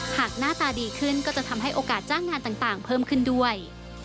หน้าตาดีขึ้นก็จะทำให้โอกาสจ้างงานต่างเพิ่มขึ้นด้วย